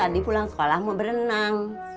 di pulang sekolah mau berenang